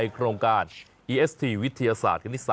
ยังไม่ถึง๓